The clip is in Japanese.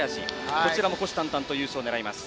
こちらも虎視たんたんと優勝を狙います。